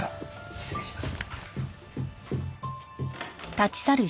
失礼します。